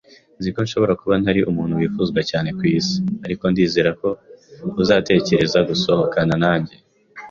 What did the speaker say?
Nzi ko nshobora kuba ntari umuntu wifuzwa cyane kwisi, ariko ndizera ko uzatekereza gusohokana nanjye.